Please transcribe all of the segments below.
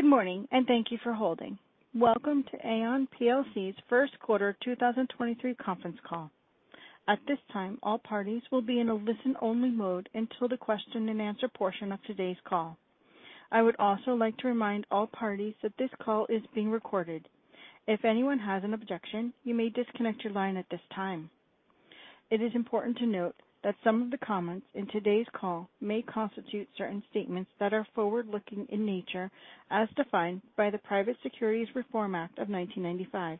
Good morning. Thank you for holding. Welcome to Aon PLC's Q1 2023 conference call. At this time, all parties will be in a listen-only mode until the question-and-answer portion of today's call. I would also like to remind all parties that this call is being recorded. If anyone has an objection, you may disconnect your line at this time. It is important to note that some of the comments in today's call may constitute certain statements that are forward-looking in nature as defined by the Private Securities Litigation Reform Act of 1995.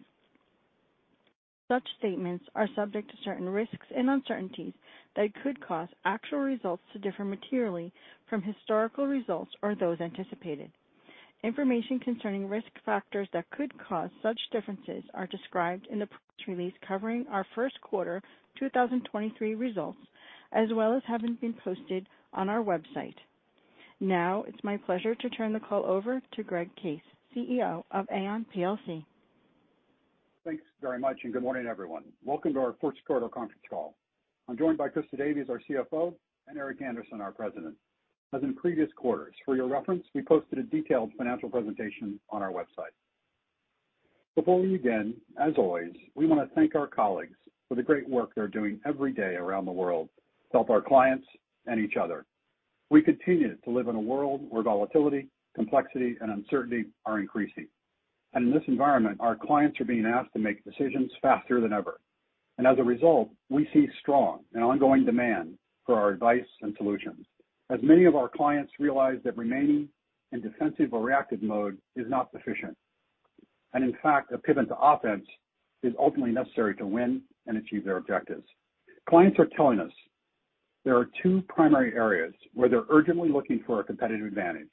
Such statements are subject to certain risks and uncertainties that could cause actual results to differ materially from historical results or those anticipated. Information concerning risk factors that could cause such differences are described in the press release covering our Q1 2023 results as well as having been posted on our website. It's my pleasure to turn the call over to Greg Case, CEO of Aon plc. Thanks very much, and good morning, everyone. Welcome to our Q1 conference call. I'm joined by Christa Davies, our CFO, and Eric Andersen, our President. As in previous quarters, for your reference, we posted a detailed financial presentation on our website. Before we begin, as always, we want to thank our colleagues for the great work they're doing every day around the world to help our clients and each other. We continue to live in a world where volatility, complexity, and uncertainty are increasing, and in this environment, our clients are being asked to make decisions faster than ever. As a result, we see strong and ongoing demand for our advice and solutions as many of our clients realize that remaining in defensive or reactive mode is not sufficient, and in fact, a pivot to offense is ultimately necessary to win and achieve their objectives. Clients are telling us there are two primary areas where they're urgently looking for a competitive advantage: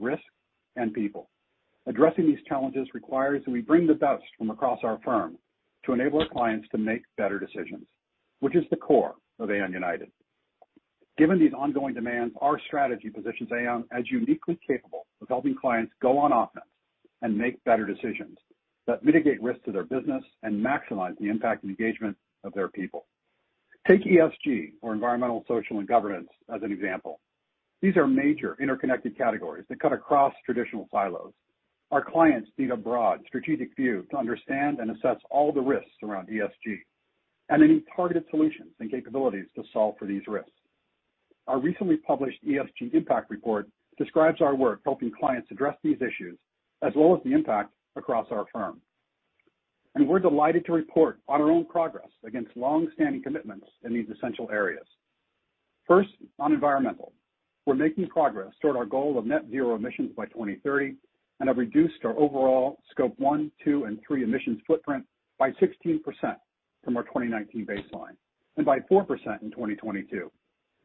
risk and people. Addressing these challenges requires that we bring the best from across our firm to enable our clients to make better decisions, which is the core of Aon United. Given these ongoing demands, our strategy positions Aon as uniquely capable of helping clients go on offense and make better decisions that mitigate risk to their business and maximize the impact and engagement of their people. Take ESG or environmental, social, and governance as an example. These are major interconnected categories that cut across traditional silos. Our clients need a broad strategic view to understand and assess all the risks around ESG and any targeted solutions and capabilities to solve for these risks. Our recently published ESG impact report describes our work helping clients address these issues as well as the impact across our firm. We're delighted to report on our own progress against long-standing commitments in these essential areas. First, on environmental. We're making progress toward our goal of net zero emissions by 2030 and have reduced our overall Scope one, two and three emissions footprints by 16% from our 2019 baseline and by 4% in 2022,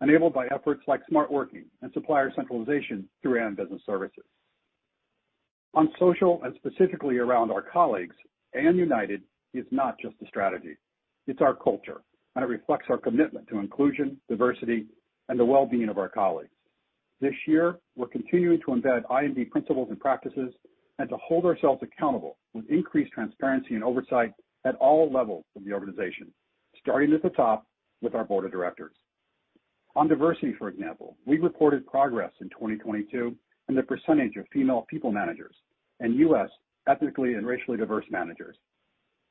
enabled by efforts like Smart Working and supplier centralization through Aon Business Services. On social and specifically around our colleagues, Aon United is not just a strategy, it's our culture, and it reflects our commitment to inclusion, diversity, and the well-being of our colleagues. This year, we're continuing to embed I&D principles and practices and to hold ourselves accountable with increased transparency and oversight at all levels of the organization, starting at the top with our board of directors. On diversity, for example, we reported progress in 2022 in the percentage of female people managers and U.S. ethnically and racially diverse managers.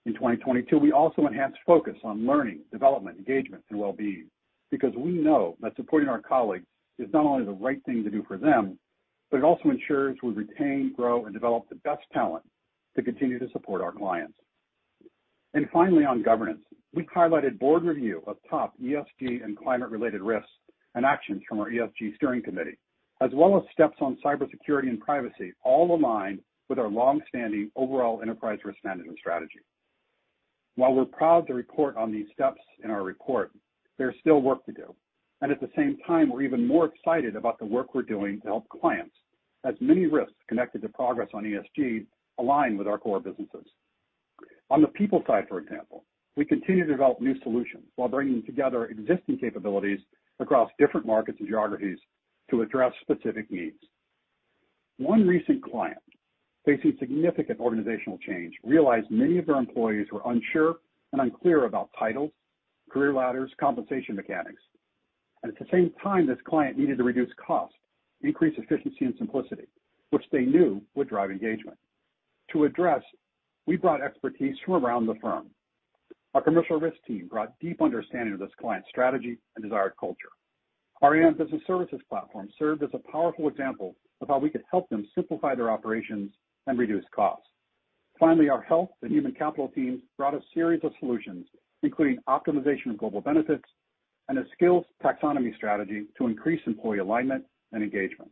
In 2022, we also enhanced focus on learning, development, engagement, and well-being because we know that supporting our colleagues is not only the right thing to do for them, but it also ensures we retain, grow, and develop the best talent to continue to support our clients. Finally, on governance, we've highlighted board review of top ESG and climate-related risks and actions from our ESG steering committee, as well as steps on cybersecurity and privacy, all aligned with our long-standing overall enterprise risk management strategy. While we're proud to report on these steps in our report, there's still work to do. At the same time, we're even more excited about the work we're doing to help clients as many risks connected to progress on ESG align with our core businesses. On the people side, for example, we continue to develop new solutions while bringing together existing capabilities across different markets and geographies to address specific needs. One recent client facing significant organizational change realized many of their employees were unsure and unclear about titles, career ladders, compensation mechanics. At the same time, this client needed to reduce cost, increase efficiency and simplicity, which they knew would drive engagement. To address, we brought expertise from around the firm. Our commercial risk team brought deep understanding of this client's strategy and desired culture. Our Aon Business Services platform served as a powerful example of how we could help them simplify their operations and reduce costs. Finally, our health and human capital teams brought a series of solutions, including optimization of global benefits and a skills taxonomy strategy to increase employee alignment and engagement.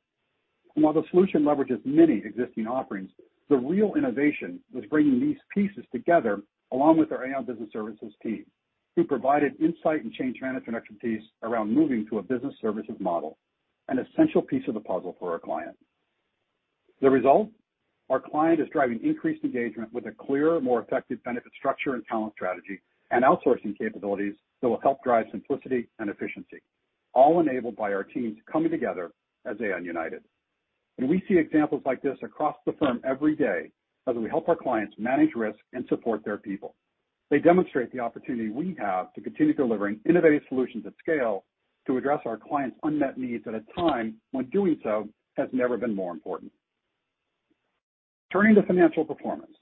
While the solution leverages many existing offerings, the real innovation was bringing these pieces together along with our Aon Business Services team, who provided insight and change management expertise around moving to a business services model, an essential piece of the puzzle for our client. The result? Our client is driving increased engagement with a clearer, more effective benefit structure and talent strategy and outsourcing capabilities that will help drive simplicity and efficiency, all enabled by our teams coming together as Aon United. We see examples like this across the firm every day as we help our clients manage risk and support their people. They demonstrate the opportunity we have to continue delivering innovative solutions at scale to address our clients' unmet needs at a time when doing so has never been more important. Turning to financial performance.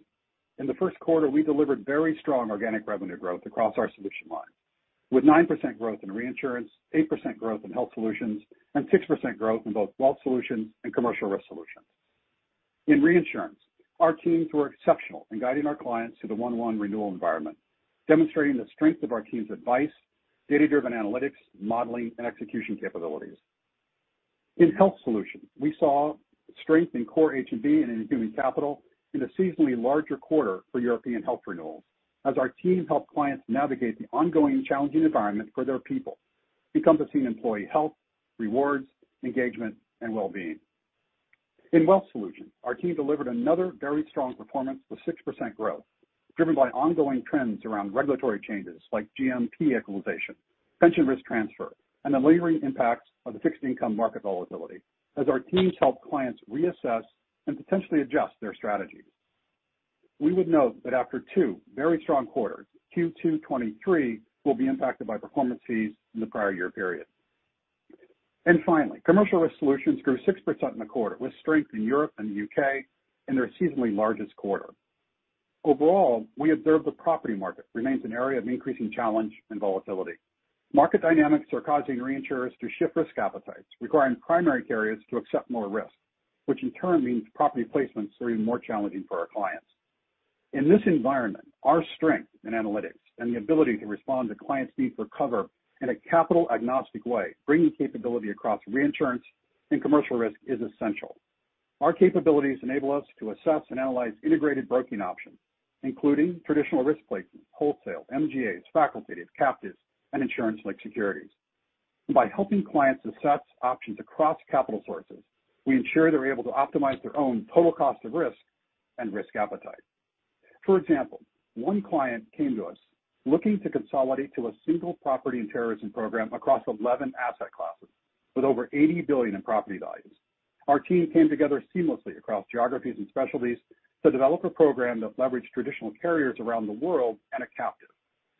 In the Q1, we delivered very strong organic revenue growth across our solution line, with 9% growth in reinsurance, 8% growth in health solutions, and 6% growth in both wealth solutions and commercial risk solutions. In reinsurance, our teams were exceptional in guiding our clients to the 1/1 renewal environment, demonstrating the strength of our team's advice, data-driven analytics, modeling, and execution capabilities. In Health Solutions, we saw strength in core H&B and in Human Capital in a seasonally larger quarter for European health renewals as our team helped clients navigate the ongoing challenging environment for their people, encompassing employee health, rewards, engagement, and well-being. In Wealth Solutions, our team delivered another very strong performance with 6% growth, driven by ongoing trends around regulatory changes like GMP equalization, pension risk transfer, and the lingering impacts of the fixed income market volatility as our teams help clients reassess and potentially adjust their strategies. We would note that after two very strong quarters, Q2 '23 will be impacted by performance fees in the prior year period. Finally, Commercial Risk Solutions grew 6% in the quarter, with strength in Europe and the UK in their seasonally largest quarter. Overall, we observed the property market remains an area of increasing challenge and volatility. Market dynamics are causing reinsurers to shift risk appetites, requiring primary carriers to accept more risk, which in turn means property placements are even more challenging for our clients. In this environment, our strength in analytics and the ability to respond to clients' need for cover in a capital agnostic way, bringing capability across reinsurance and commercial risk is essential. Our capabilities enable us to assess and analyze integrated broking options, including traditional risk placement, wholesale, MGAs, facultatives, captives, and insurance-linked securities. By helping clients assess options across capital sources, we ensure they're able to optimize their own total cost of risk and risk appetite. For example, one client came to us looking to consolidate to a single property and terrorism program across 11 asset classes with over $80 billion in property values. Our team came together seamlessly across geographies and specialties to develop a program that leveraged traditional carriers around the world and a captive,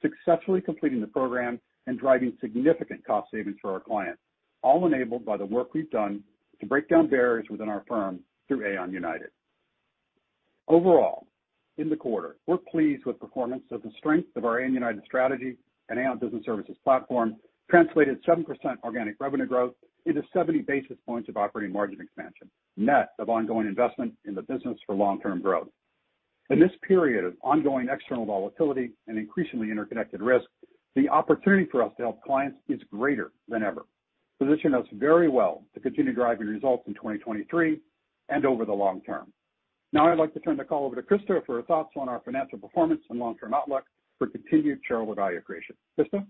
successfully completing the program and driving significant cost savings for our clients, all enabled by the work we've done to break down barriers within our firm through Aon United. Overall, in the quarter, we're pleased with performance of the strength of our Aon United strategy and Aon Business Services platform translated 7% organic revenue growth into 70 basis points of operating margin expansion, net of ongoing investment in the business for long-term growth. In this period of ongoing external volatility and increasingly interconnected risk, the opportunity for us to help clients is greater than ever, positioning us very well to continue driving results in 2023 and over the long term. Now I'd like to turn the call over to Christa for her thoughts on our financial performance and long-term outlook for continued shareholder value creation. Christa?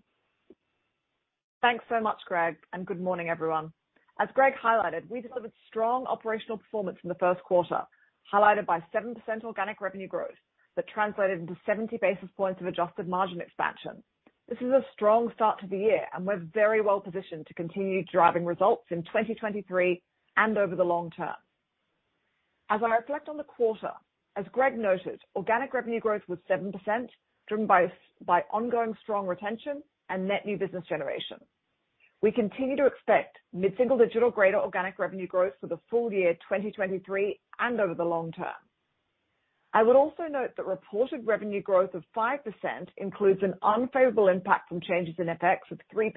Thanks so much, Greg, and good morning, everyone. As Greg highlighted, we delivered strong operational performance in the Q1, highlighted by 7% organic revenue growth that translated into 70 basis points of adjusted margin expansion. This is a strong start to the year, and we're very well positioned to continue driving results in 2023 and over the long term. As I reflect on the quarter, as Greg noted, organic revenue growth was 7%, driven by ongoing strong retention and net new business generation. We continue to expect mid-single-digital or greater organic revenue growth for the full year 2023 and over the long term. I would also note that reported revenue growth of 5% includes an unfavorable impact from changes in FX of 3%,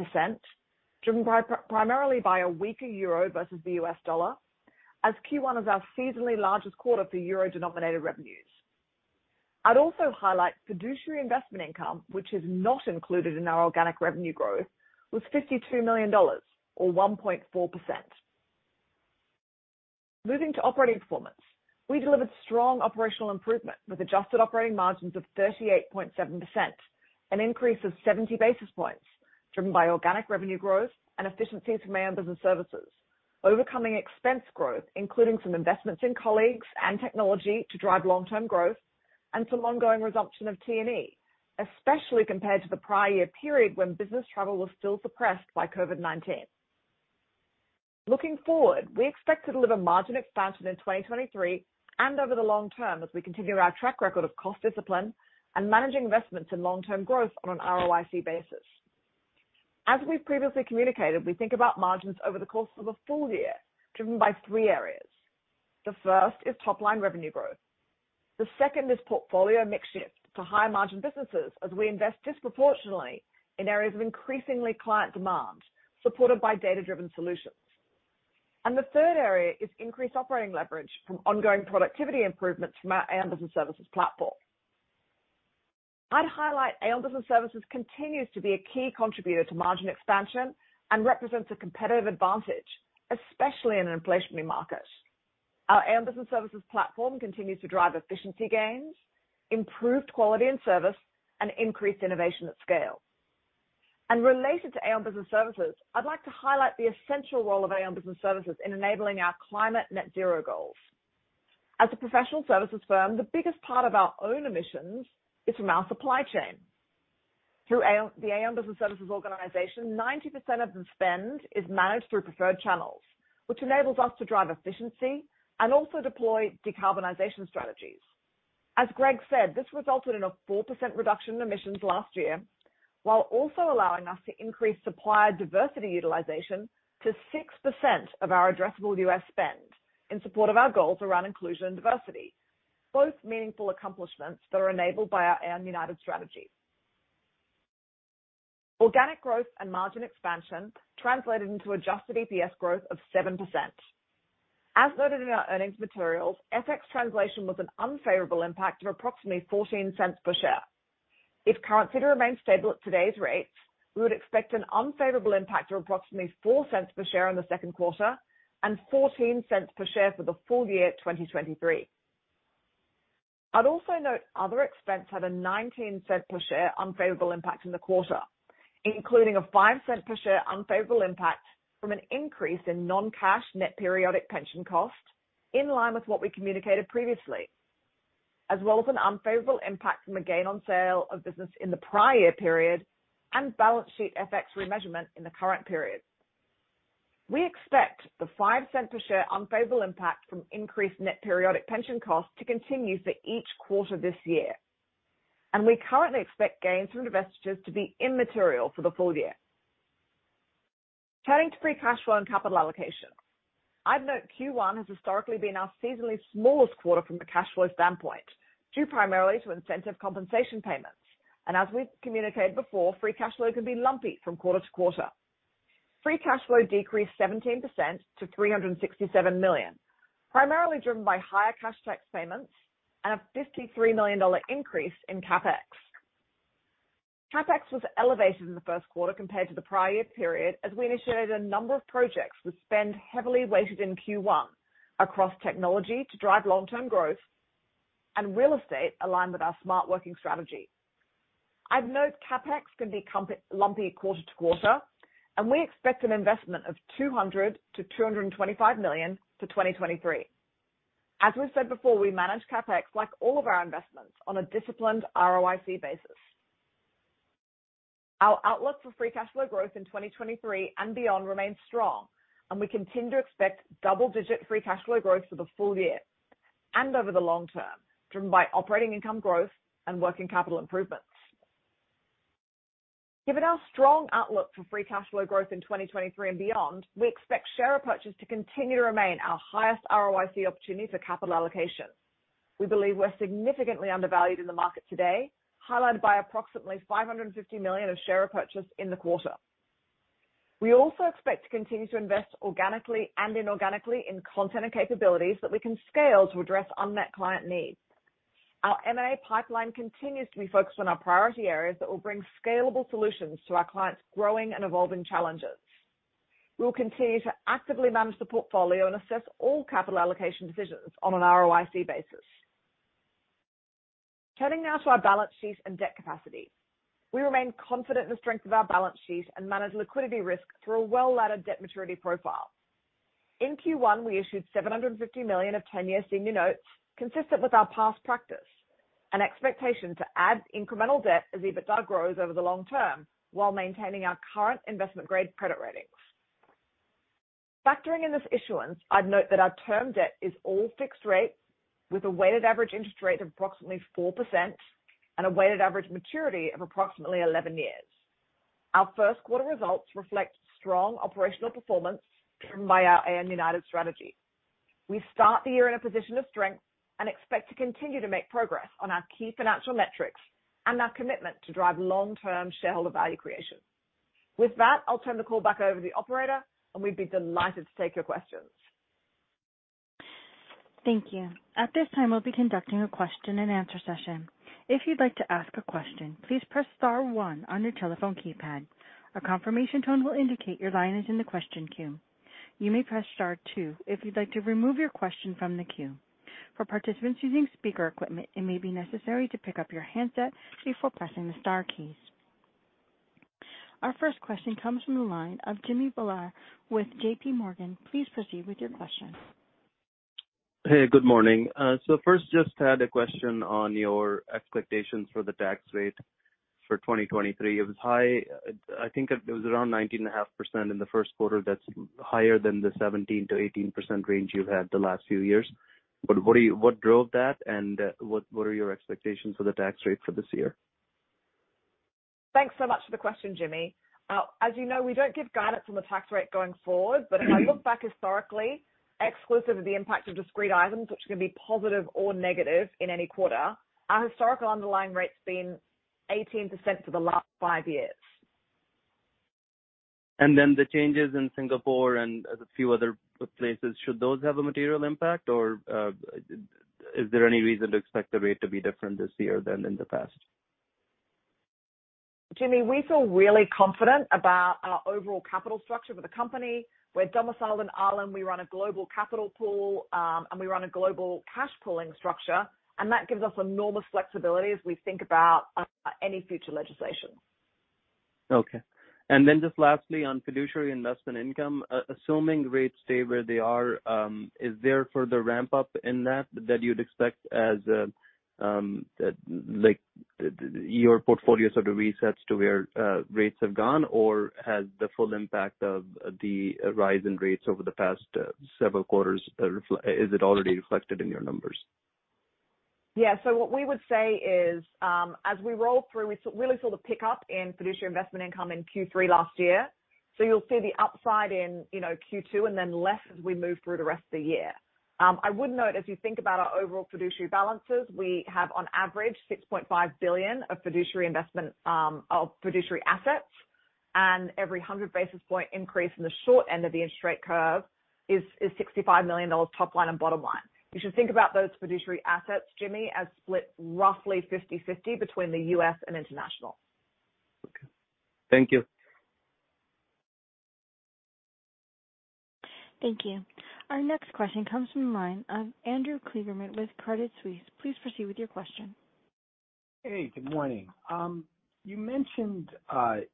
driven primarily by a weaker euro versus the US dollar as Q1 is our seasonally largest quarter for euro-denominated revenues. I'd also highlight fiduciary investment income, which is not included in our organic revenue growth, was $52 million or 1.4%. Moving to operating performance. We delivered strong operational improvement with adjusted operating margins of 38.7%, an increase of 70 basis points driven by organic revenue growth and efficiencies from Aon Business Services, overcoming expense growth, including some investments in colleagues and technology to drive long-term growth and some ongoing resumption of T&E, especially compared to the prior year period when business travel was still suppressed by COVID-19. Looking forward, we expect to deliver margin expansion in 2023 and over the long term as we continue our track record of cost discipline and managing investments in long-term growth on an ROIC basis. As we've previously communicated, we think about margins over the course of a full year, driven by three areas. The first is top-line revenue growth. The second is portfolio mix shift to higher margin businesses as we invest disproportionately in areas of increasingly client demand, supported by data-driven solutions. The third area is increased operating leverage from ongoing productivity improvements from our Aon Business Services platform. I'd highlight Aon Business Services continues to be a key contributor to margin expansion and represents a competitive advantage, especially in an inflationary market. Our Aon Business Services platform continues to drive efficiency gains, improved quality and service, and increased innovation at scale. Related to Aon Business Services, I'd like to highlight the essential role of Aon Business Services in enabling our climate net zero goals. As a professional services firm, the biggest part of our own emissions is from our supply chain. Through the Aon Business Services organization, 90% of the spend is managed through preferred channels, which enables us to drive efficiency and also deploy decarbonization strategies. As Greg said, this resulted in a 4% reduction in emissions last year, while also allowing us to increase supplier diversity utilization to 6% of our addressable U.S. spend in support of our goals around inclusion and diversity. Both meaningful accomplishments that are enabled by our Aon United strategy. Organic growth and margin expansion translated into adjusted EPS growth of 7%. As noted in our earnings materials, FX translation was an unfavorable impact of approximately $0.14 per share. If currency remains stable at today's rates, we would expect an unfavorable impact of approximately $0.04 per share in the Q2 and $0.14 per share for the full year 2023. I'd also note other expense had a $0.19 per share unfavorable impact in the quarter, including a $0.05 per share unfavorable impact from an increase in non-cash net periodic pension cost, in line with what we communicated previously, as well as an unfavorable impact from a gain on sale of business in the prior period and balance sheet FX remeasurement in the current period. We expect the $0.05 per share unfavorable impact from increased net periodic pension costs to continue for each quarter this year, and we currently expect gains from divestitures to be immaterial for the full year. Turning to free cash flow and capital allocation. I'd note Q1 has historically been our seasonally smallest quarter from a cash flow standpoint, due primarily to incentive compensation payments. As we've communicated before, free cash flow can be lumpy from quarter to quarter. Free cash flow decreased 17% to $367 million, primarily driven by higher cash tax payments and a $53 million increase in CapEx. CapEx was elevated in the Q1 compared to the prior year period, as we initiated a number of projects with spend heavily weighted in Q1 across technology to drive long-term growth and real estate aligned with our Smart Working strategy. I'd note CapEx can be lumpy quarter to quarter, and we expect an investment of $200 -$225 million for 2023. As we've said before, we manage CapEx like all of our investments, on a disciplined ROIC basis. Our outlook for free cash flow growth in 2023 and beyond remains strong. We continue to expect double-digit free cash flow growth for the full year and over the long term, driven by operating income growth and working capital improvements. Given our strong outlook for free cash flow growth in 2023 and beyond, we expect share purchases to continue to remain our highest ROIC opportunity for capital allocation. We believe we're significantly undervalued in the market today, highlighted by approximately $550 million of share repurchase in the quarter. We also expect to continue to invest organically and inorganically in content and capabilities that we can scale to address unmet client needs. Our M&A pipeline continues to be focused on our priority areas that will bring scalable solutions to our clients' growing and evolving challenges. We will continue to actively manage the portfolio and assess all capital allocation decisions on an ROIC basis. Turning now to our balance sheet and debt capacity. We remain confident in the strength of our balance sheet and manage liquidity risk through a well-laddered debt maturity profile. In Q1, we issued $750 million of 10-year senior notes, consistent with our past practice and expectation to add incremental debt as EBITDA grows over the long term while maintaining our current investment-grade credit ratings. Factoring in this issuance, I'd note that our term debt is all fixed rate, with a weighted average interest rate of approximately 4% and a weighted average maturity of approximately 11 years. Our Q1 results reflect strong operational performance driven by our Aon United strategy. We start the year in a position of strength and expect to continue to make progress on our key financial metrics and our commitment to drive long-term shareholder value creation. With that, I'll turn the call back over to the operator, and we'd be delighted to take your questions. Thank you. At this time, we'll be conducting a question-and-answer session. If you'd like to ask a question, please press star one on your telephone keypad. A confirmation tone will indicate your line is in the question queue. You may press star two if you'd like to remove your question from the queue. For participants using speaker equipment, it may be necessary to pick up your handset before pressing the star keys. Our first question comes from the line of Jimmy Bhullar with JP Morgan. Please proceed with your question. Good morning. First, just had a question on your expectations for the tax rate for 2023. It was high. I think it was around 19.5% in the Q1. That's higher than the 17%-18% range you've had the last few years. What drove that, and what are your expectations for the tax rate for this year? Thanks so much for the question, Jimmy. As you know, we don't give guidance on the tax rate going forward. Mm-hmm. If I look back historically, exclusive of the impact of discrete items, which can be positive or negative in any quarter, our historical underlying rate's been 18% for the last five years. The changes in Singapore and a few other places, should those have a material impact or, is there any reason to expect the rate to be different this year than in the past? Jimmy, we feel really confident about our overall capital structure for the company. We're domiciled in Ireland. We run a global capital pool, and we run a global cash pooling structure, and that gives us enormous flexibility as we think about any future legislation. Okay. Then just lastly, on fiduciary investment income, assuming rates stay where they are, is there further ramp up in that you'd expect as, like, your portfolios sort of resets to where rates have gone? Has the full impact of the rise in rates over the past several quarters Is it already reflected in your numbers? Yeah. What we would say is, as we roll through, we really saw the pickup in fiduciary investment income in Q3 last year. You'll see the upside in, you know, Q2, and then less as we move through the rest of the year. I would note as you think about our overall fiduciary balances, we have on average $6.5 billion of fiduciary investment, of fiduciary assets. Every 100 basis point increase in the short end of the interest rate curve is $65 million top line and bottom line. You should think about those fiduciary assets, Jimmy, as split roughly 50/50 between the US and international. Okay. Thank you. Thank you. Our next question comes from the line of Andrew Kligerman with Credit Suisse. Please proceed with your question. Hey, good morning. You mentioned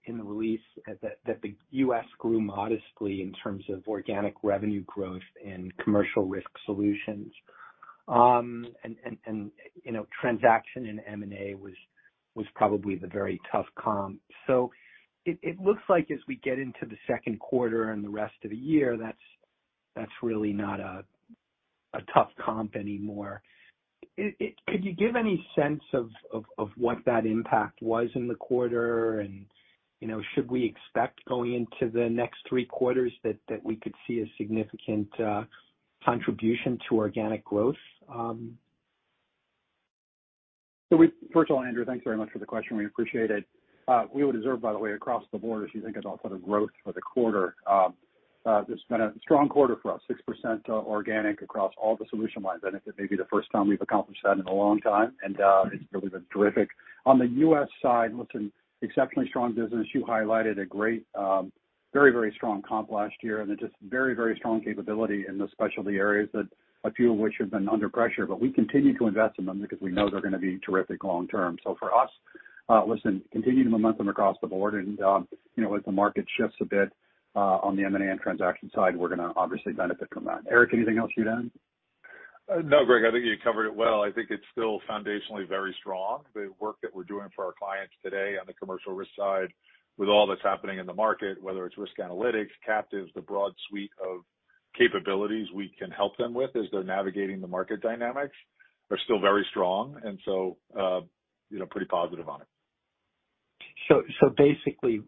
in the release that the U.S. grew modestly in terms of organic revenue growth and commercial risk solutions. You know, transaction in M&A was probably the very tough comp. It looks like as we get into the Q2 and the rest of the year, that's really not a tough comp anymore. Could you give any sense of what that impact was in the quarter and, you know, should we expect going into the next three quarters that we could see a significant contribution to organic growth? First of all, Andrew Kligerman, thanks very much for the question. We appreciate it. We would observe, by the way, across the board, if you think about sort of growth for the quarter, it's been a strong quarter for us, 6% organic across all the solution lines. It may be the first time we've accomplished that in a long time, and it's really been terrific. On the U.S. side, listen, exceptionally strong business. You highlighted a great, very, very strong comp last year, and then just very, very strong capability in the specialty areas that a few of which have been under pressure. We continue to invest in them because we know they're going to be terrific long term. For us, listen, continuing the momentum across the board and, you know, as the market shifts a bit, on the M&A and transaction side, we're gonna obviously benefit from that. Eric, anything else you'd add? No, Greg Case, I think you covered it well. I think it's still foundationally very strong, the work that we're doing for our clients today on the commercial risk side with all that's happening in the market, whether it's risk analytics, captives, the broad suite of capabilities we can help them with as they're navigating the market dynamics are still very strong. You know, pretty positive on it. Basically,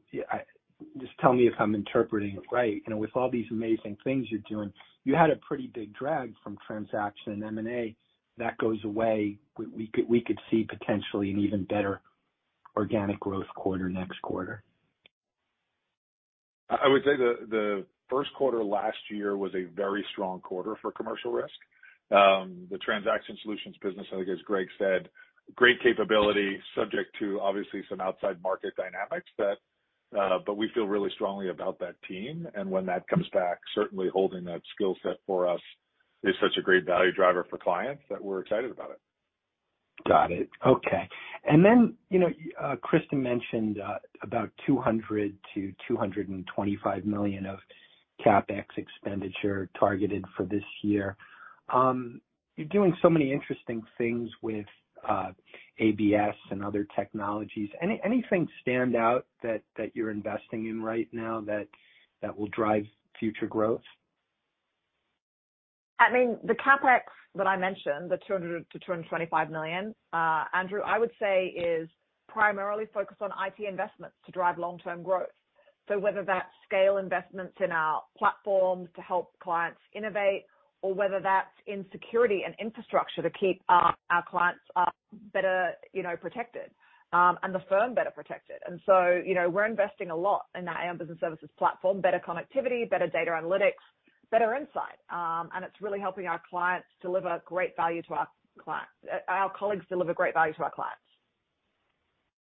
just tell me if I'm interpreting it right. You know, with all these amazing things you're doing, you had a pretty big drag from transaction M&A that goes away. We could see potentially an even better organic growth quarter next quarter. I would say the Q1 last year was a very strong quarter for commercial risk. The transaction solutions business, I think, as Greg said, great capability subject to obviously some outside market dynamics that, but we feel really strongly about that team. When that comes back, certainly holding that skill set for us is such a great value driver for clients that we're excited about it. Got it. Okay. Then, you know, Christa mentioned about $200 -$225 million of CapEx expenditure targeted for this year. You're doing so many interesting things with ABS and other technologies. Anything stand out that you're investing in right now that will drive future growth? I mean, the CapEx that I mentioned, the $200 -$225 million, Andrew Kligerman, I would say is primarily focused on IT investments to drive long-term growth. Whether that's scale investments in our platforms to help clients innovate or whether that's in security and infrastructure to keep our clients better, you know, protected, and the firm better protected. You know, we're investing a lot in that Aon Business Services platform, better connectivity, better data analytics, better insight. And it's really helping our colleagues deliver great value to our clients.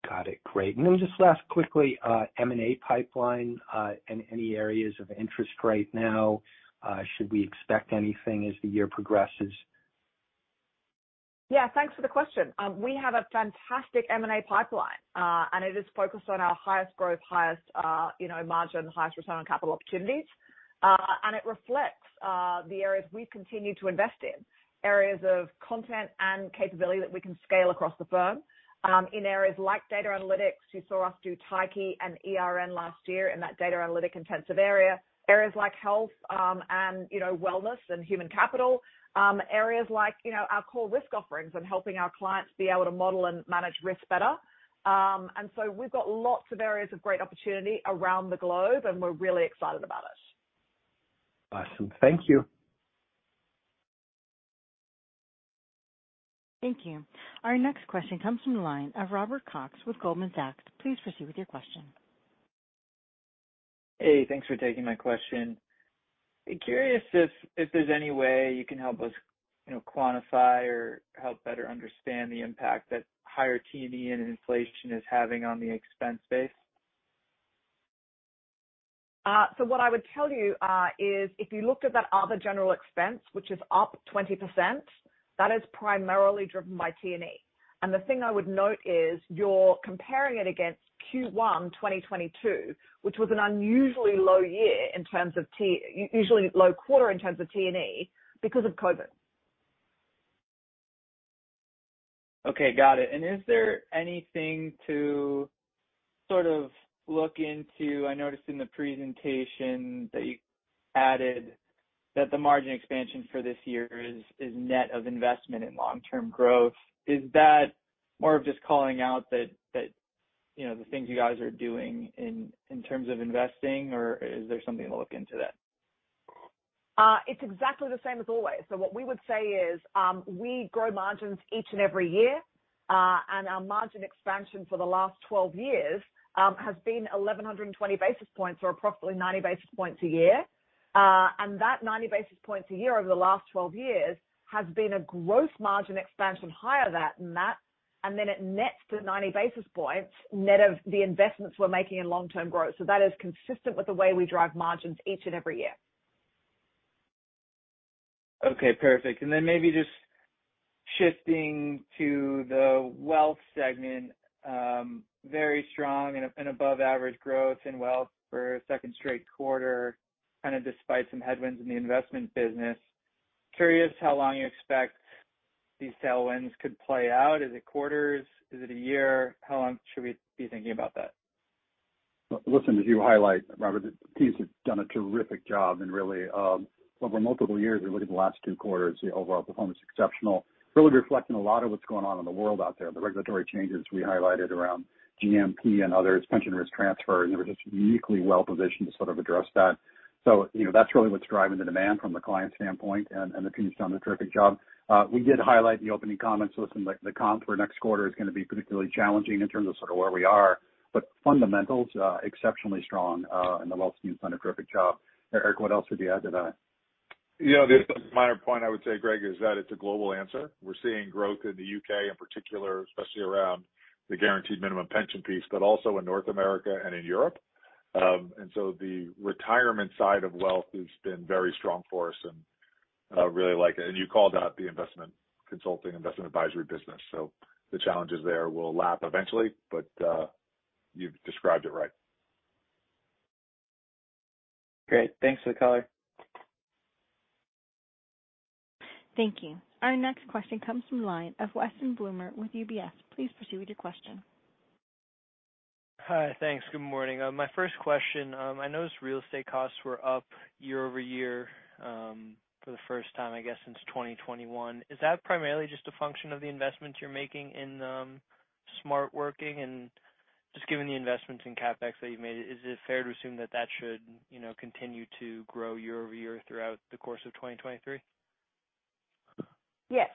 Got it. Great. Just last quickly, M&A pipeline, and any areas of interest right now, should we expect anything as the year progresses? Yeah, thanks for the question. We have a fantastic M&A pipeline, and it is focused on our highest growth, highest, you know, margin, highest return on capital opportunities. It reflects the areas we've continued to invest in, areas of content and capability that we can scale across the firm. In areas like data analytics, you saw us do Tyche and ERN last year in that data analytic intensive area. Areas like health, you know, wellness and human capital. Areas like, you know, our core risk offerings and helping our clients be able to model and manage risk better. We've got lots of areas of great opportunity around the globe, and we're really excited about it. Awesome. Thank you. Thank you. Our next question comes from the line of Robert Cox with Goldman Sachs. Please proceed with your question. Hey, thanks for taking my question. Curious if there's any way you can help us, you know, quantify or help better understand the impact that higher T&E and inflation is having on the expense base? What I would tell you is if you looked at that other general expense, which is up 20%, that is primarily driven by T&E. The thing I would note is you're comparing it against Q1 2022, which was an unusually low year in terms of unusually low quarter in terms of T&E because of COVID. Okay, got it. Is there anything to sort of look into? I noticed in the presentation that you added that the margin expansion for this year is net of investment in long-term growth. Is that more of just calling out that, you know, the things you guys are doing in terms of investing, or is there something to look into that? It's exactly the same as always. What we would say is, we grow margins each and every year. Our margin expansion for the last 12 years has been 1,120 basis points or approximately 90 basis points a year. That 90 basis points a year over the last 12 years has been a gross margin expansion higher that, than that. It nets to 90 basis points net of the investments we're making in long-term growth. That is consistent with the way we drive margins each and every year. Okay, perfect. Maybe just shifting to the wealth segment, very strong and above average growth in wealth for a second straight quarter, kind of despite some headwinds in the investment business. Curious how long you expect these tailwinds could play out. Is it quarters? Is it one year? How long should we be thinking about that? Listen, as you highlight, Robert, the teams have done a terrific job and really, over multiple years, you look at the last two quarters, the overall performance exceptional, really reflecting a lot of what's going on in the world out there. The regulatory changes we highlighted around GMP and others, pension risk transfer, and we're just uniquely well-positioned to sort of address that. You know, that's really what's driving the demand from the client standpoint and the teams done a terrific job. We did highlight in the opening comments, listen, like, the comp for next quarter is going to be particularly challenging in terms of sort of where we are, but fundamentals, exceptionally strong, and the wealth teams done a terrific job. Eric, what else would you add to that? You know, the other minor point I would say, Greg, is that it's a global answer. We're seeing growth in the U.K. in particular, especially around the Guaranteed Minimum Pension piece, but also in North America and in Europe. The retirement side of wealth has been very strong for us, and really like it. You called out the investment consulting, investment advisory business. The challenges there will lap eventually, but you've described it right. Great. Thanks for the color. Thank you. Our next question comes from the line of Weston Bloomer with UBS. Please proceed with your question. Hi. Thanks. Good morning. My first question. I noticed real estate costs were up year-over-year, for the first time, I guess, since 2021. Is that primarily just a function of the investments you're making in Smart Working? Just given the investments in CapEx that you've made, is it fair to assume that that should, you know, continue to grow year-over-year throughout the course of 2023? Yes.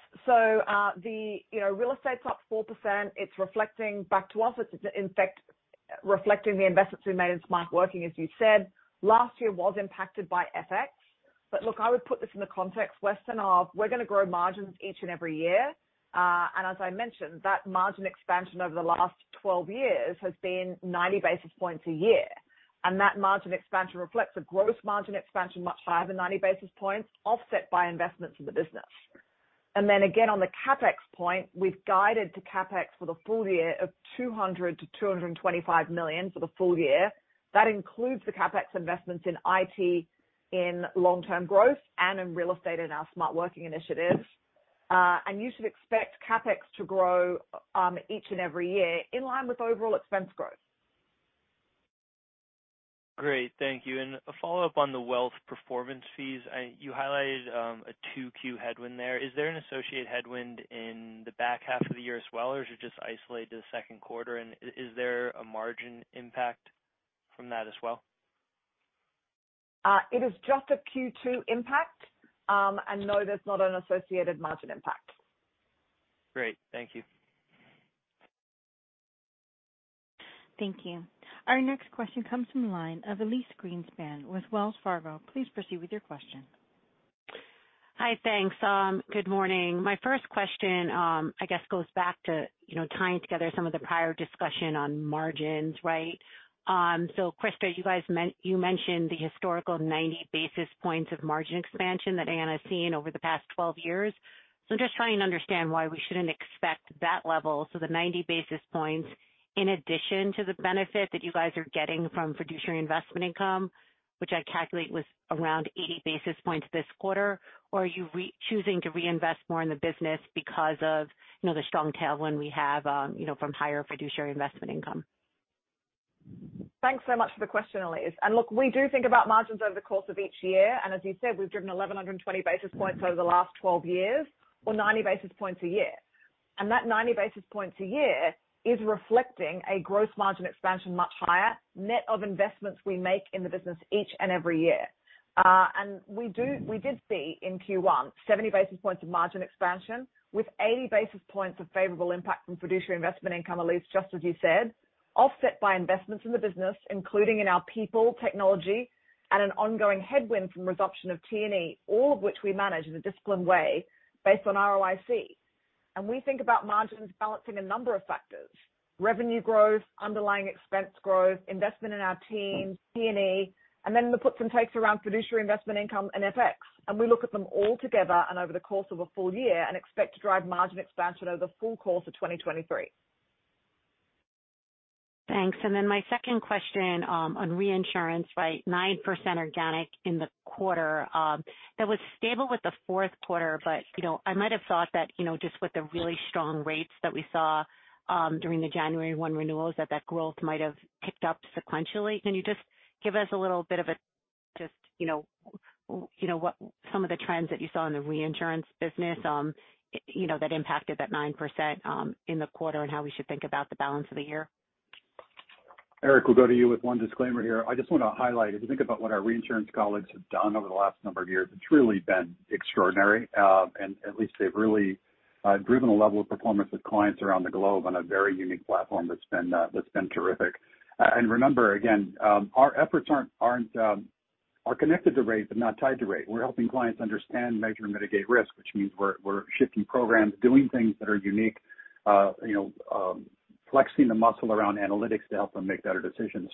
you know, real estate's up 4%. It's reflecting back to us. It's in fact reflecting the investments we made in Smart Working, as you said. Last year was impacted by FX. Look, I would put this in the context, Weston, of we're going to grow margins each and every year. As I mentioned that margin expansion over the last 12 years has been 90 basis points a year. That margin expansion reflects a gross margin expansion much higher than 90 basis points, offset by investments in the business. Again, on the CapEx point, we've guided to CapEx for the full year of $200 -$225 million for the full year. That includes the CapEx investments in IT, in long-term growth, and in real estate in our Smart Working initiatives. You should expect CapEx to grow, each and every year in line with overall expense growth. Great. Thank you. A follow-up on the wealth performance fees. You highlighted a 2Q headwind there. Is there an associated headwind in the back half of the year as well, or is it just isolated to the Q2 and is there a margin impact from that as well? It is just a Q2 impact. No, there's not an associated margin impact. Great. Thank you. Thank you. Our next question comes from the line of Elyse Greenspan with Wells Fargo. Please proceed with your question. Hi. Thanks. Good morning. My first question, I guess goes back to, you know, tying together some of the prior discussion on margins, right? Christa, you mentioned the historical 90 basis points of margin expansion that Aon's seen over the past 12 years. I'm just trying to understand why we shouldn't expect that level. The 90 basis points in addition to the benefit that you guys are getting from fiduciary investment income, which I calculate was around 80 basis points this quarter. Or are you choosing to reinvest more in the business because of, you know, the strong tailwind we have, you know, from higher fiduciary investment income? Thanks so much for the question, Elyse. Look, we do think about margins over the course of each year, and as you said, we've driven 1,120 basis points over the last 12 years or 90 basis points a year. That 90 basis points a year is reflecting a gross margin expansion much higher net of investments we make in the business each and every year. we did see in Q1 70 basis points of margin expansion with 80 basis points of favorable impact from fiduciary investment income, Elyse, just as you said, offset by investments in the business, including in our people, technology, and an ongoing headwind from resumption of T&E, all of which we manage in a disciplined way based on ROIC. We think about margins balancing a number of factors, revenue growth, underlying expense growth, investment in our team, P&A, and then the puts and takes around fiduciary investment income and FX. We look at them all together and over the course of a full year and expect to drive margin expansion over the full course of 2023. Thanks. My second question, on reinsurance. By 9% organic in the quarter, that was stable with the fourth quarter. You know, I might have thought that, you know, just with the really strong rates that we saw, during the January 1 renewals, that growth might have picked up sequentially. Can you just give us a little bit of a just, you know, what some of the trends that you saw in the reinsurance business, you know, that impacted that 9%, in the quarter and how we should think about the balance of the year? Elyse, we'll go to you with one disclaimer here. I just want to highlight, as you think about what our reinsurance colleagues have done over the last number of years, it's really been extraordinary. At least they've really driven a level of performance with clients around the globe on a very unique platform that's been terrific. Remember, again, our efforts aren't connected to rate but not tied to rate. We're helping clients understand, measure, mitigate risk, which means we're shifting programs, doing things that are unique, you know, flexing the muscle around analytics to help them make better decisions.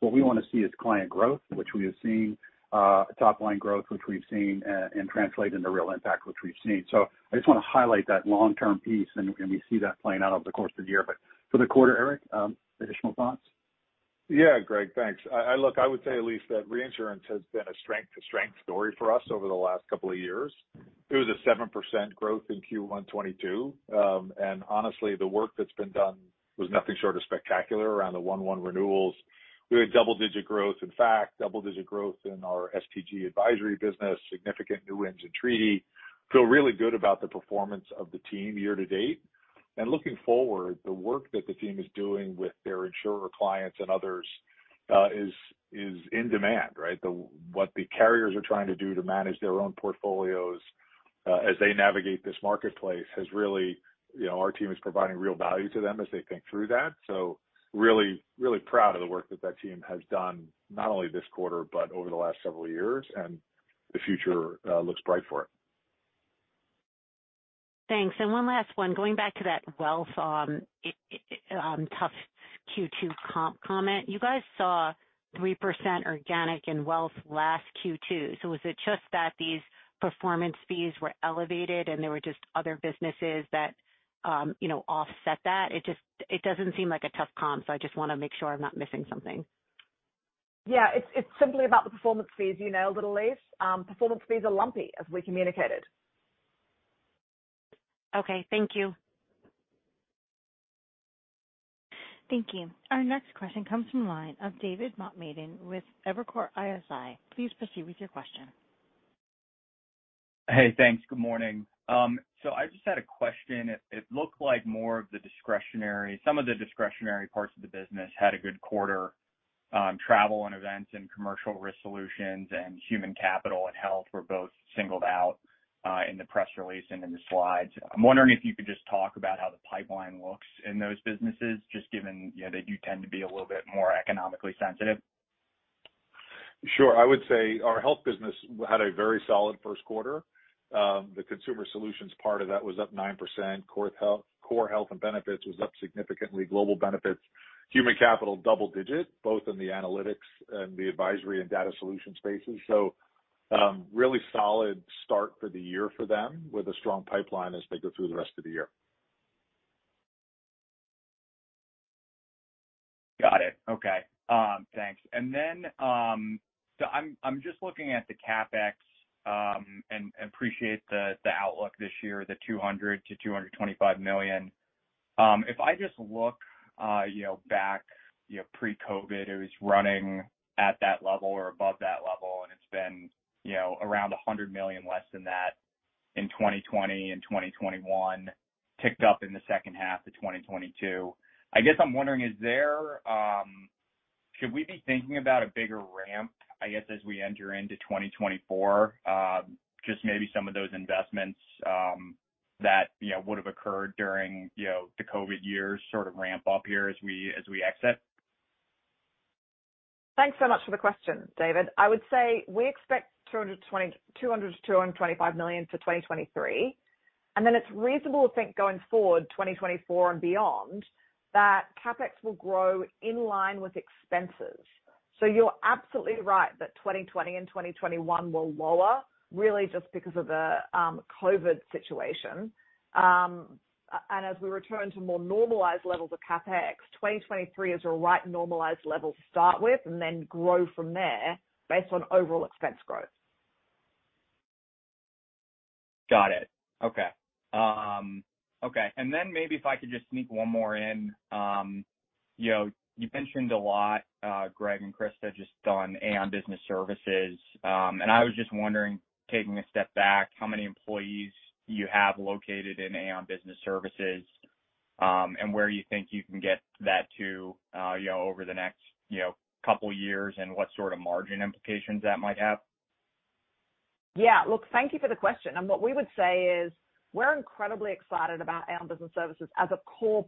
What we want to see is client growth, which we are seeing, top line growth, which we've seen, and translate into real impact, which we've seen. I just want to highlight that long-term piece and we see that playing out over the course of the year. For the quarter, Eric, additional thoughts? Yeah. Greg, thanks. Look, I would say at least that reinsurance has been a strength to strength story for us over the last couple of years. It was a 7% growth in Q1 2022. Honestly, the work that's been done was nothing short of spectacular around the 1/1 renewals. We had double-digit growth, in fact, double-digit growth in our SPG advisory business, significant new engine treaty. Feel really good about the performance of the team year to date. Looking forward, the work that the team is doing with their insurer clients and others is in demand, right? What the carriers are trying to do to manage their own portfolios as they navigate this marketplace has really, you know, our team is providing real value to them as they think through that. Really proud of the work that that team has done not only this quarter, but over the last several years, and the future, looks bright for it. Thanks. One last one. Going back to that wealth, tough Q2 comment. You guys saw 3% organic in wealth last Q2. Was it just that these performance fees were elevated and there were just other businesses that, you know, offset that? It doesn't seem like a tough comp, so I just wanna make sure I'm not missing something. Yeah, it's simply about the performance fees, you know, literally Elyse. Performance fees are lumpy as we communicated. Okay, thank you. Thank you. Our next question comes from line of David Motemaden with Evercore ISI. Please proceed with your question. Hey, thanks. Good morning. I just had a question. It looked like more of the discretionary, some of the discretionary parts of the business had a good quarter. Travel and events and Commercial Risk Solutions and Human Capital and Health were both singled out, in the press release and in the slides. I'm wondering if you could just talk about how the pipeline looks in those businesses, just given, you know, they do tend to be a little bit more economically sensitive? Sure. I would say our health business had a very solid Q1. The consumer solutions part of that was up 9%. Core health and benefits was up significantly. Global benefits, human capital, double digit, both in the analytics and the advisory and data solution spaces. Really solid start for the year for them with a strong pipeline as they go through the rest of the year. Got it. Okay. Thanks. I'm just looking at the CapEx and appreciate the outlook this year, the $200 -$225 million. If I just look, you know, back, you know, pre-COVID, it was running at that level or above that level, and it's been, you know, around $100 million less than that in 2020 and 2021, ticked up in the H2 to 2022. I guess I'm wondering, is there, should we be thinking about a bigger ramp, I guess, as we enter into 2024? Just maybe some of those investments that, you know, would have occurred during, you know, the COVID years sort of ramp up here as we exit? Thanks so much for the question, David. I would say we expect $200 -$225 million for 2023. Then it's reasonable to think going forward, 2024 and beyond, that CapEx will grow in line with expenses. You're absolutely right that 2020 and 2021 were lower, really just because of the COVID situation. As we return to more normalized levels of CapEx, 2023 is the right normalized level to start with and then grow from there based on overall expense growth. Got it. Okay. Okay. Then maybe if I could just sneak one more in. You know, you've mentioned a lot, Greg and Chris have just on Aon Business Services. I was just wondering, taking a step back, how many employees you have located in Aon Business Services, and where you think you can get that to, you know, over the next, you know, couple years, and what sort of margin implications that might have. Yeah. Look, thank you for the question. What we would say is we're incredibly excited about Aon Business Services as a core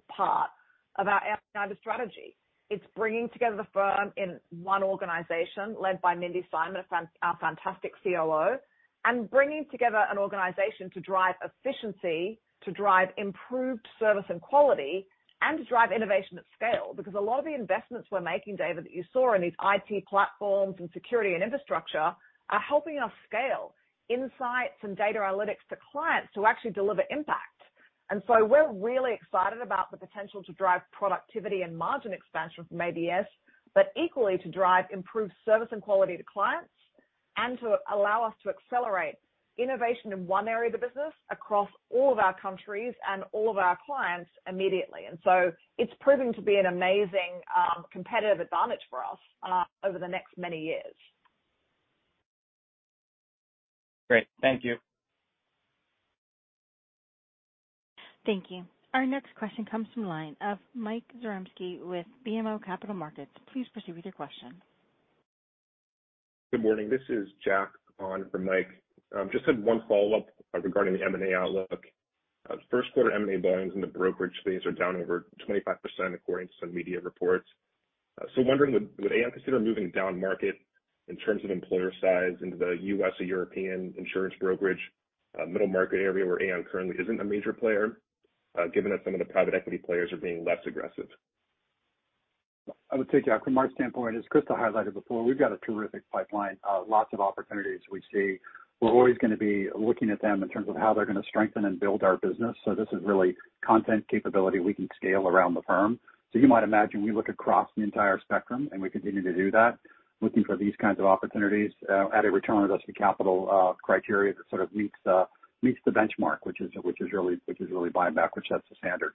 About our strategy. It's bringing together the firm in one organization led by Mindy Simon, our fantastic COO, bringing together an organization to drive efficiency, to drive improved service and quality, and to drive innovation at scale. A lot of the investments we're making, David, that you saw in these IT platforms and security and infrastructure are helping us scale insights and data analytics to clients to actually deliver impact. We're really excited about the potential to drive productivity and margin expansion from ABS, but equally to drive improved service and quality to clients and to allow us to accelerate innovation in one area of the business across all of our countries and all of our clients immediately. It's proving to be an amazing, competitive advantage for us, over the next many years. Great. Thank you. Thank you. Our next question comes from the line of Mike Zaremski with BMO Capital Markets. Please proceed with your question. Good morning. This is Jack on for Mike. Just had one follow-up regarding the M&A outlook. Q1 M&A volumes in the brokerage space are down over 25% according to some media reports. Wondering would Aon consider moving down market in terms of employer size into the U.S. or European insurance brokerage middle market area where Aon currently isn't a major player, given that some of the private equity players are being less aggressive? I would say, Jack, from our standpoint, as Christa highlighted before, we've got a terrific pipeline, lots of opportunities we see. We're always gonna be looking at them in terms of how they're gonna strengthen and build our business. This is really content capability we can scale around the firm. You might imagine we look across the entire spectrum, and we continue to do that, looking for these kinds of opportunities, at a return adjusted capital criteria that sort of meets the benchmark, which is really buying back, which sets the standard.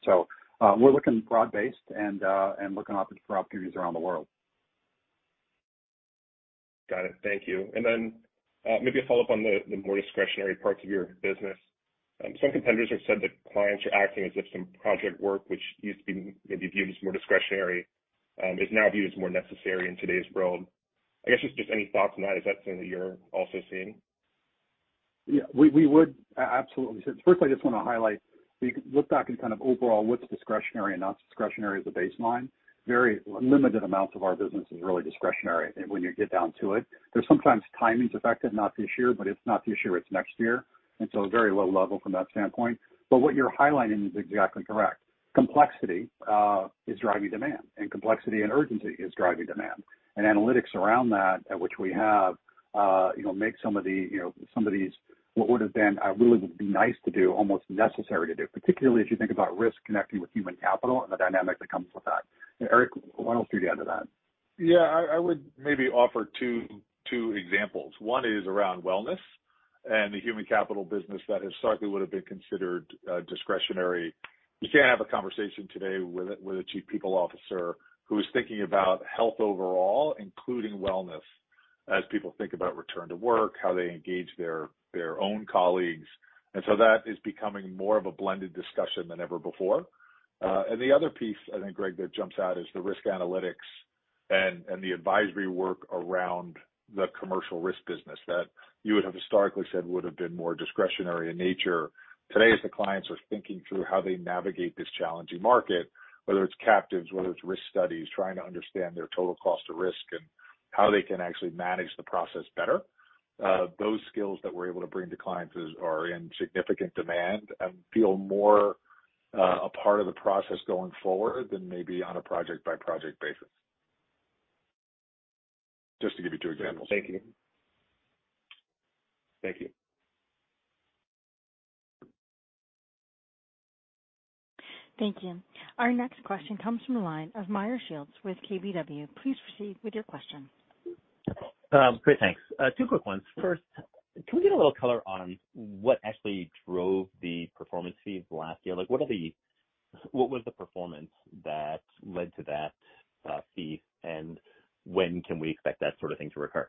We're looking broad-based and looking off at opportunities around the world. Got it. Thank you. Maybe a follow-up on the more discretionary parts of your business. Some competitors have said that clients are acting as if some project work, which used to be maybe viewed as more discretionary, is now viewed as more necessary in today's world. I guess just any thoughts on that. Is that something that you're also seeing? Yeah. We absolutely. Firstly, I just wanna highlight, we can look back and kind of overall what's discretionary and not discretionary as a baseline. Very limited amounts of our business is really discretionary when you get down to it. There's sometimes timing's affected, not this year, but if not this year, it's next year, a very low level from that standpoint. What you're highlighting is exactly correct. Complexity is driving demand and complexity and urgency is driving demand. Analytics around that, at which we have, you know, make some of the, you know, some of these what would have been, really would be nice to do almost necessary to do, particularly if you think about risk connecting with human capital and the dynamic that comes with that. Eric, why don't you add to that? Yeah, I would maybe offer two examples. One is around wellness and the human capital business that historically would have been considered discretionary. You can't have a conversation today with a chief people officer who's thinking about health overall, including wellness, as people think about return to work, how they engage their own colleagues. That is becoming more of a blended discussion than ever before. The other piece I think, Greg, that jumps out is the risk analytics and the advisory work around the commercial risk business that you would have historically said would have been more discretionary in nature. Today, as the clients are thinking through how they navigate this challenging market, whether it's captives, whether it's risk studies, trying to understand their total cost of risk and how they can actually manage the process better, those skills that we're able to bring to clients are in significant demand and feel more a part of the process going forward than maybe on a project-by-project basis. Just to give you two examples. Thank you. Thank you. Thank you. Our next question comes from the line of Meyer Shields with KBW. Please proceed with your question. Great. Thanks. Two quick ones. First, can we get a little color on what actually drove the performance fees last year? Like, what was the performance that led to that fee, and when can we expect that sort of thing to recur?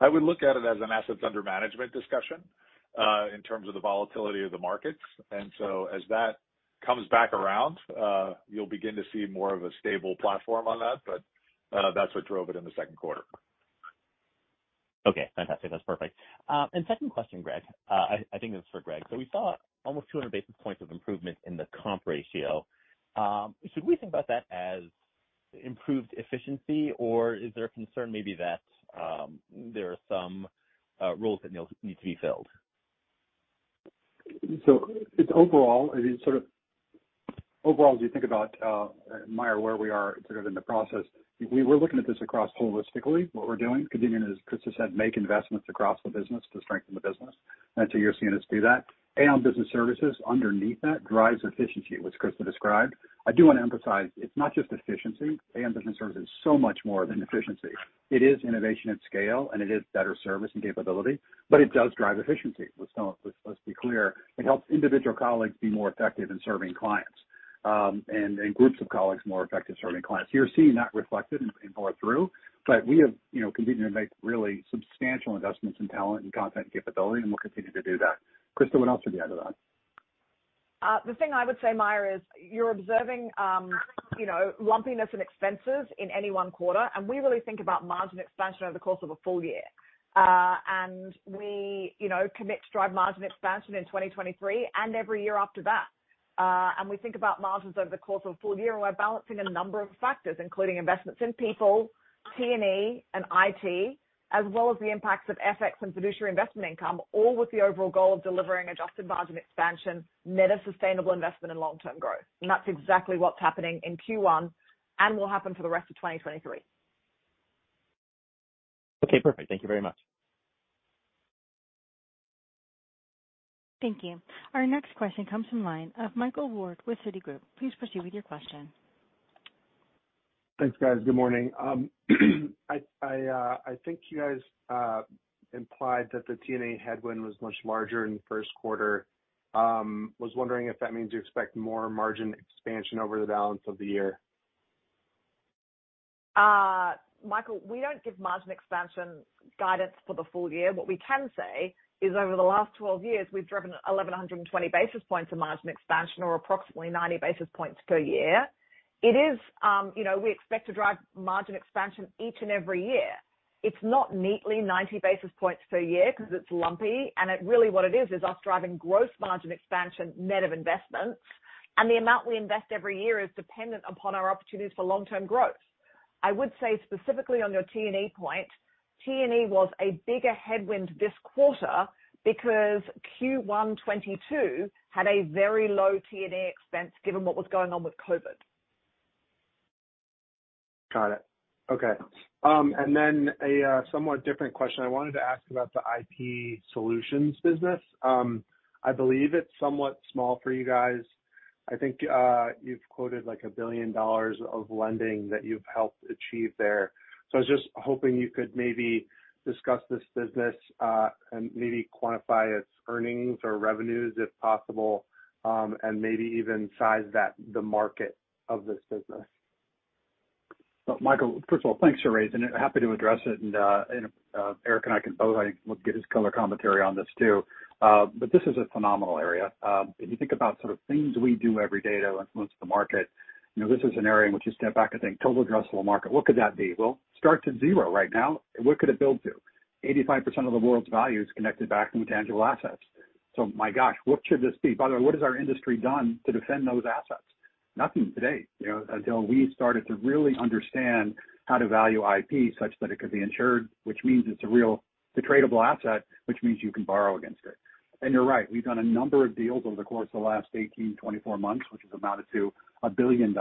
I would look at it as an assets under management discussion, in terms of the volatility of the markets. As that comes back around, you'll begin to see more of a stable platform on that. That's what drove it in the Q2. Okay, fantastic. That's perfect. Second question, Greg. I think this is for Greg. We saw almost 200 basis points of improvement in the comp ratio. Should we think about that as improved efficiency, or is there a concern maybe that there are some roles that need to be filled? It's overall, I mean, sort of overall, as you think about Meyer, where we are sort of in the process, we're looking at this across holistically, what we're doing, continuing, as Christa said, make investments across the business to strengthen the business. You're seeing us do that. Aon Business Services underneath that drives efficiency, which Christa described. I do want to emphasize it's not just efficiency. Aon Business Services is so much more than efficiency. It is innovation at scale, and it is better service and capability, but it does drive efficiency. Let's be clear, it helps individual colleagues be more effective in serving clients, and groups of colleagues more effective serving clients. You're seeing that reflected in flow-through. We have, you know, continued to make really substantial investments in talent and content capability, and we'll continue to do that. Christa, what else would you add to that? The thing I would say, Meyer, is you're observing, you know, lumpiness and expenses in any one quarter. We really think about margin expansion over the course of a full year. We, you know, commit to drive margin expansion in 2023 and every year after that. We think about margins over the course of a full year, and we're balancing a number of factors, including investments in people, T&E and IT, as well as the impacts of FX and fiduciary investment income, all with the overall goal of delivering adjusted margin expansion net of sustainable investment and long-term growth. That's exactly what's happening in Q1 and will happen for the rest of 2023. Okay, perfect. Thank you very much. Thank you. Our next question comes from line of Michael Ward with Citigroup. Please proceed with your question. Thanks, guys. Good morning. I think you guys implied that the T&E headwind was much larger in the Q1. Was wondering if that means you expect more margin expansion over the balance of the year. Michael, we don't give margin expansion guidance for the full year. What we can say is over the last 12 years, we've driven 1,120 basis points of margin expansion or approximately 90 basis points per year. It is, you know, we expect to drive margin expansion each and every year. It's not neatly 90 basis points per year 'cause it's lumpy. Really what it is us driving gross margin expansion net of investments. The amount we invest every year is dependent upon our opportunities for long-term growth. I would say specifically on your T&E point, T&E was a bigger headwind this quarter because Q1 2022 had a very low T&E expense given what was going on with COVID. Got it. Okay. Then a somewhat different question. I wanted to ask about the IP Solutions business. I believe it's somewhat small for you guys. I think, you've quoted like $1 billion of lending that you've helped achieve there. I was just hoping you could maybe discuss this business, and maybe quantify its earnings or revenues if possible, and maybe even size that, the market of this business. Michael Ward, first of all, thanks for raising it. Happy to address it, and Eric Andersen and I can both I think we'll get his color commentary on this too. This is a phenomenal area. If you think about sort of things we do every day that will influence the market, you know, this is an area in which you step back and think total addressable market, what could that be? Well, start to 0 right now. What could it build to? 85% of the world's value is connected back into tangible assets. My gosh, what should this be? By the way, what has our industry done to defend those assets? Nothing to date, you know, until we started to really understand how to value IP such that it could be insured, which means it's a real tradable asset, which means you can borrow against it. You're right, we've done a number of deals over the course of the last 18, 24 months, which has amounted to $1 billion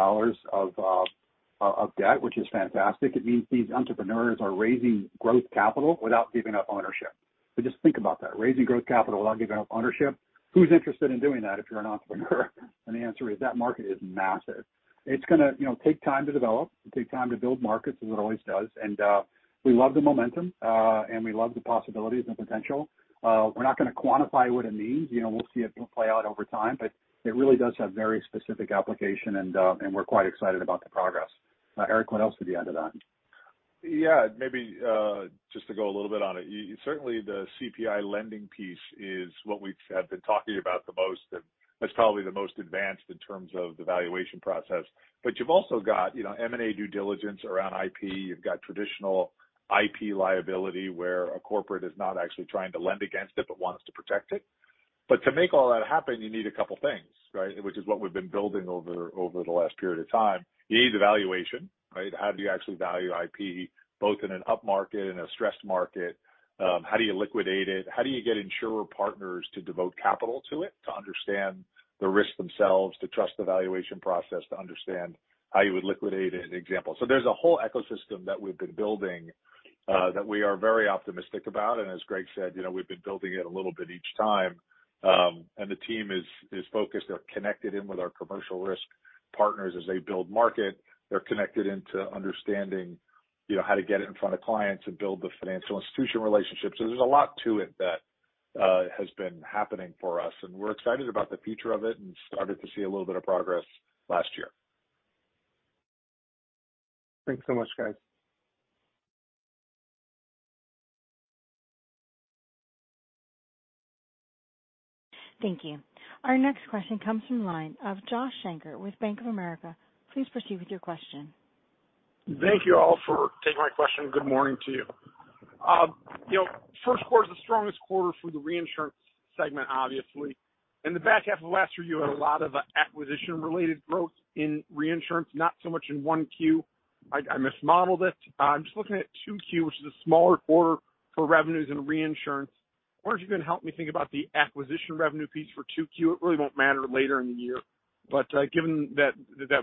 of debt, which is fantastic. It means these entrepreneurs are raising growth capital without giving up ownership. Just think about that, raising growth capital without giving up ownership. Who's interested in doing that if you're an entrepreneur? The answer is that market is massive. It's gonna, you know, take time to develop and take time to build markets, as it always does. We love the momentum, and we love the possibilities and potential. We're not gonna quantify what it means. You know, we'll see it play out over time, but it really does have very specific application and we're quite excited about the progress. Eric, what else would you add to that? Yeah. Maybe, just to go a little bit on it. Certainly the IP lending piece is what we have been talking about the most, and that's probably the most advanced in terms of the valuation process. You've also got, you know, M&A due diligence around IP. You've got traditional IP liability, where a corporate is not actually trying to lend against it but wants to protect it. To make all that happen, you need a couple things, right? Which is what we've been building over the last period of time. You need the valuation, right? How do you actually value IP, both in an up market, in a stressed market? How do you liquidate it? How do you get insurer partners to devote capital to it, to understand the risks themselves, to trust the valuation process, to understand how you would liquidate an example? There's a whole ecosystem that we've been building that we are very optimistic about. As Greg said, you know, we've been building it a little bit each time. The team is focused. They're connected in with our commercial risk partners as they build market. They're connected into understanding, you know, how to get it in front of clients and build the financial institution relationship. There's a lot to it that has been happening for us, and we're excited about the future of it and started to see a little bit of progress last year. Thanks so much, guys. Thank you. Our next question comes from line of Joshua Shanker with Bank of America. Please proceed with your question. Thank you all for taking my question. Good morning to you. you know, Q1 is the strongest quarter for the reinsurance segment, obviously. In the back half of last year, you had a lot of acquisition-related growth in reinsurance, not so much in 1Q. I mismodeled it. I'm just looking at 2Q, which is a smaller quarter for revenues and reinsurance. I wonder if you can help me think about the acquisition revenue piece for 2Q. It really won't matter later in the year, but given that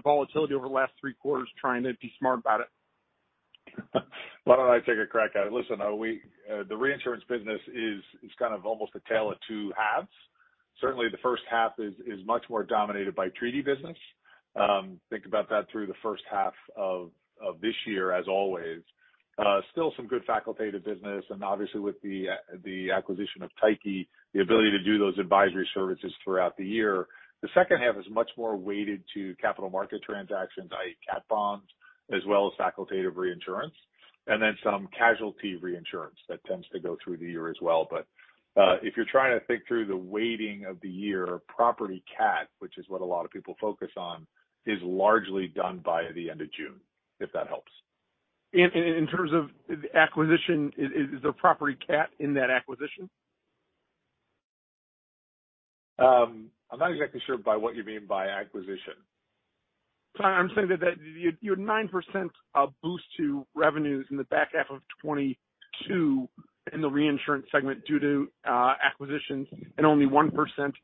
volatility over the last three quarters, trying to be smart about it. Why don't I take a crack at it? Listen, the reinsurance business is kind of almost a tale of two halves. Certainly, the H1 is much more dominated by treaty business. Think about that through the H1 of this year, as always. Still some good facultative business. Obviously with the acquisition of Tyche, the ability to do those advisory services throughout the year. The H2 is much more weighted to capital market transactions, i.e. cat bonds, as well as facultative reinsurance, and then some casualty reinsurance that tends to go through the year as well. If you're trying to think through the weighting of the year, property cat, which is what a lot of people focus on, is largely done by the end of June, if that helps. In terms of acquisition, is the property cat in that acquisition? I'm not exactly sure by what you mean by acquisition. I'm saying that you had 9% of boost to revenues in the back half of 2022 in the reinsurance segment due to acquisitions and only 1%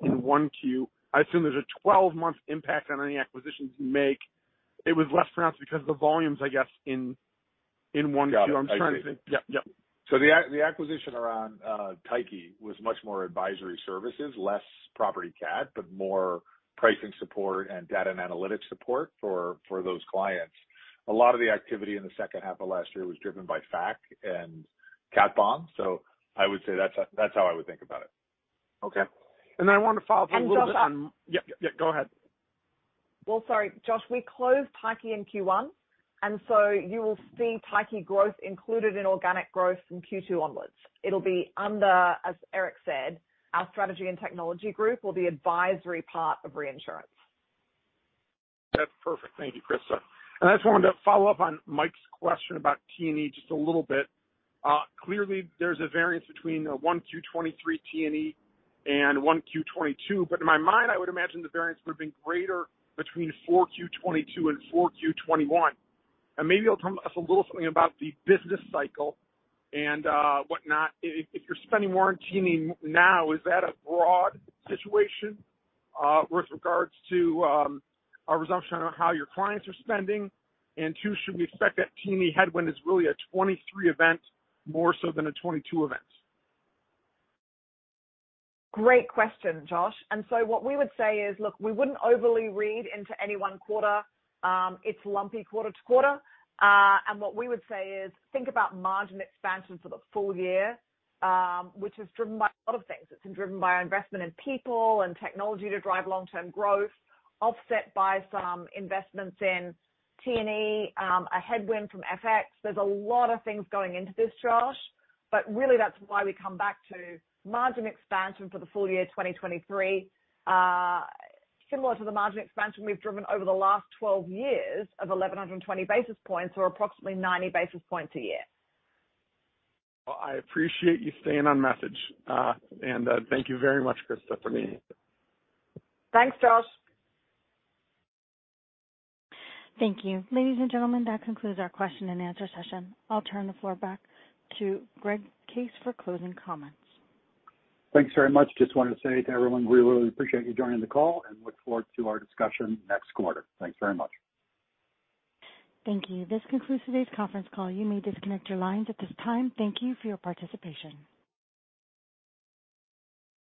in 1Q. I assume there's a 12-month impact on any acquisitions you make. It was less pronounced because the volumes, I guess, in 1Q. Got it. I see. I'm trying to think. Yep. Yep. The acquisition around Tyche was much more advisory services, less property cat, but more pricing support and data and analytics support for those clients. A lot of the activity in the H2 of last year was driven by FAC and cat bond. I would say that's how I would think about it. Okay. I wanted to follow up a little bit. Josh. Yep, yeah, go ahead. Well, sorry, Josh, we closed Tyche in Q1. You will see Tyche growth included in organic growth from Q2 onwards. It'll be under, as Eric said, our Strategy and Technology Group or the advisory part of reinsurance. That's perfect. Thank you, Christa. I just wanted to follow up on Mike's question about T&E just a little bit. Clearly there's a variance between 1Q23 T&E and 1Q22, but in my mind, I would imagine the variance would have been greater between 4Q22 and 4Q21. Maybe you'll tell us a little something about the business cycle and whatnot. If you're spending more on T&E now, is that a broad situation with regards to a resumption on how your clients are spending? 2, should we expect that T&E headwind is really a 2023 event more so than a 2022 event? Great question, Josh. what we would say is, look, we wouldn't overly read into any one quarter. It's lumpy quarter to quarter. what we would say is think about margin expansion for the full year, which is driven by a lot of things. It's been driven by investment in people and technology to drive long-term growth, offset by some investments in T&E, a headwind from FX. There's a lot of things going into this, Josh, but really that's why we come back to margin expansion for the full year 2023, similar to the margin expansion we've driven over the last 12 years of 1,120 basis points or approximately 90 basis points a year. Well, I appreciate you staying on message. Thank you very much, Christa, for the answer. Thanks, Josh. Thank you. Ladies and gentlemen, that concludes our question and answer session. I'll turn the floor back to Greg Case for closing comments. Thanks very much. Just wanted to say to everyone, we really appreciate you joining the call and look forward to our discussion next quarter. Thanks very much. Thank you. This concludes today's conference call. You may disconnect your lines at this time. Thank you for your participation.